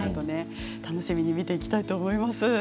楽しみに見ていきたいと思います。